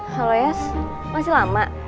halo yas masih lama